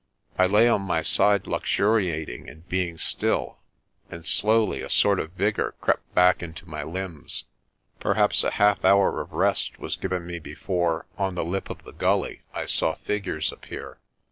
I lay on my side luxuriating in being still, and slowly a sort of vigour crept back into my limbs. Perhaps a half hour of rest was given me before, on the lip of the gully, I saw figures appear.